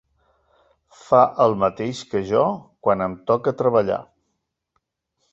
Fa el mateix que jo quan em toca treballar.